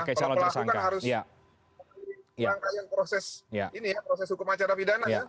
kalau pelaku kan harus melakukan proses hukum acara pidana ya